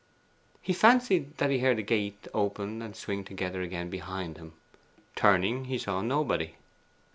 He fancied that he heard the gate open and swing together again behind him. Turning, he saw nobody.